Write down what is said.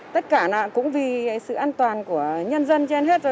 tất cả cũng vì sự an toàn của nhân dân trên hết rồi